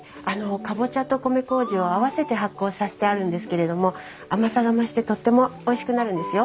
カボチャと米麹を合わせて発酵させてあるんですけれども甘さが増してとってもおいしくなるんですよ。